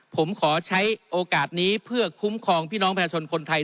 ผมขอใช้โอกาสนี้เพื่อคุ้มครองพี่น้องประชาชนคนไทย